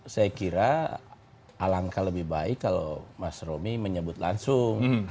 saya kira alangkah lebih baik kalau mas romi menyebut langsung